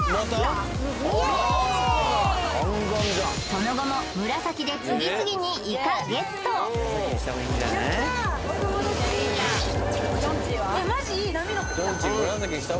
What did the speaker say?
その後も紫で次々にイカゲット・やった！